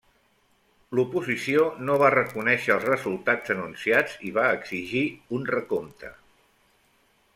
L'oposició no va reconèixer els resultats anunciats i va exigir un recompte.